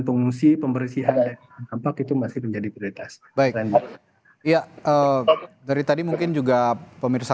pengungsi pembersihan tampak itu masih menjadi prioritas baik ya dari tadi mungkin juga pemirsa